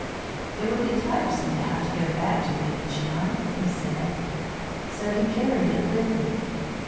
"It would be tiresome to have to go back to it each night," he said, so he carried it with him.